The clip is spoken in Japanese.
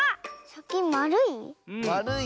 さきまるい？